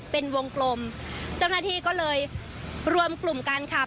เป็นวงกลมเจ้าหน้าที่ก็เลยรวมกลุ่มกันค่ะ